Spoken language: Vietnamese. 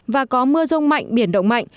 và có mưa rông mạnh biển động mạnh